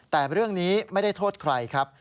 แต่เรื่องนี้ไม่ได้โทษใครครับ